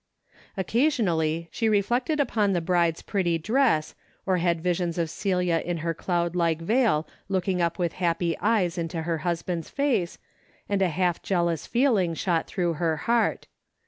Occasionally, she reflected upon the bride's pretty dress, or had visions of Celia in her cloud like veil looking up with happy eyes into her husband's face, and a half jealous feeling shot through her heart.